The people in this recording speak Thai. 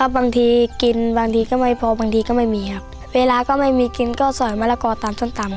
บางทีกินบางทีก็ไม่พอบางทีก็ไม่มีครับเวลาก็ไม่มีกินก็สอยมะละกอตามส้มตำ